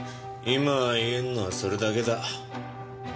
今言えるのはそれだけだ。